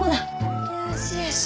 よーしよし。